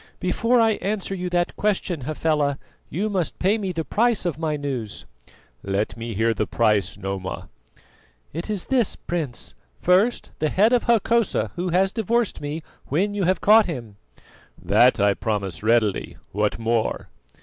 "Before I answer you that question, Hafela, you must pay me the price of my news." "Let me hear the price, Noma." "It is this, Prince: First, the head of Hokosa, who has divorced me, when you have caught him." "That I promise readily. What more?"